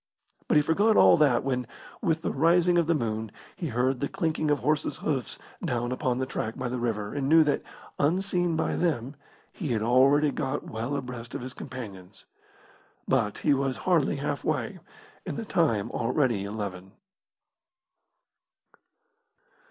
But he forgot all that when, with the rising of the moon, he heard the clinking of horses' hoofs down upon the track by the river, and knew that, unseen by them, he had already got well abreast of his companions. But he was hardly halfway, and the time already eleven.